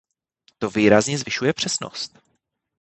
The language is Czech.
To významně zvyšuje přesnost.